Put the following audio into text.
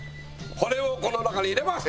これをこの中に入れます。